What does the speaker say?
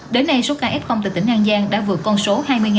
đến nay số ca f tại tỉnh an giang đã vượt con số hai mươi ca